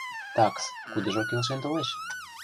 Такс, кудыжо келшен толеш?